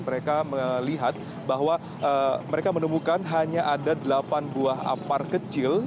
mereka melihat bahwa mereka menemukan hanya ada delapan buah apar kecil